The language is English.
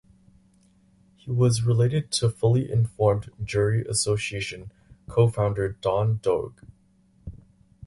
He was related to Fully Informed Jury Association co-founder, Don Doig.